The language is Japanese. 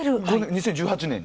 ２０１８年に？